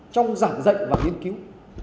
trong giảng dạy và nghiên cứu